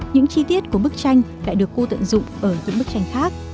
những chi tiết của bức tranh lại được cô tận dụng ở những bức tranh khác